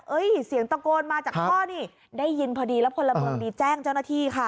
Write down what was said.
เสียงตะโกนมาจากพ่อนี่ได้ยินพอดีแล้วพลเมืองดีแจ้งเจ้าหน้าที่ค่ะ